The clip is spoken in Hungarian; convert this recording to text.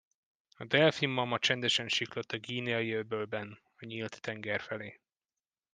A Delfin-mama csendesen siklott a Guineai-öbölben a nyílt tenger felé.